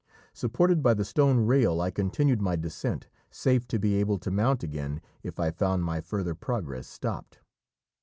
Supported by the stone rail I continued my descent, safe to be able to mount again if I found my further progress stopped.